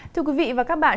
thưa quý vị và các bạn